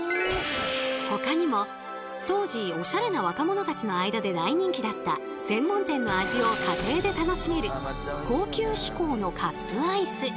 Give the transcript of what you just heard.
ほかにも当時おしゃれな若者たちの間で大人気だった専門店の味を家庭で楽しめる高級志向のカップアイス。